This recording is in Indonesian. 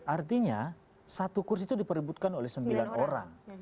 artinya satu kursi itu diperebutkan oleh sembilan orang